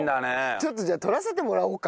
ちょっとじゃあとらせてもらおうか。